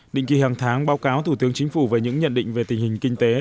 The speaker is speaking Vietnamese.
định kỳ hàng tháng báo cáo thủ tướng chính phủ về những nhận định về tình hình kinh tế